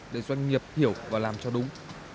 để doanh nghiệp hiểu và làm cho đúng